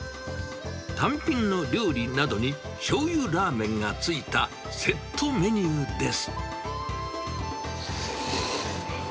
単品の料理などにしょうゆラーメンがついたセットメニューです。